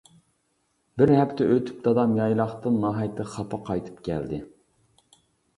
بىر ھەپتە ئۆتۈپ دادام يايلاقتىن ناھايىتى خاپا قايتىپ كەلدى.